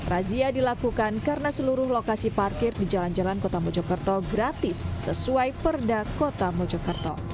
razia dilakukan karena seluruh lokasi parkir di jalan jalan kota mojokerto gratis sesuai perda kota mojokerto